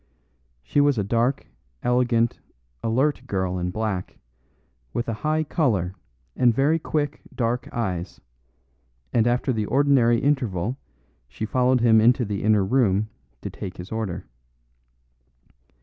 She was a dark, elegant, alert girl in black, with a high colour and very quick, dark eyes; and after the ordinary interval she followed him into the inner room to take his order.